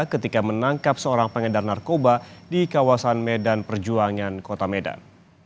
ketika menangkap seorang pengedar narkoba di kawasan medan perjuangan kota medan